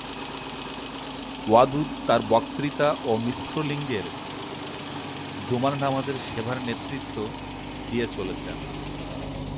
ওয়াদুদ তার বক্তৃতা ও মিশ্র লিঙ্গের জুমার নামাজের সেবার নেতৃত্ব দিয়ে চলেছেন।